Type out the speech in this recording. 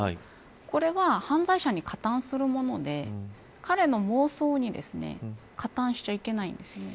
これは犯罪者に加担するもので彼の妄想に加担しちゃいけないんです。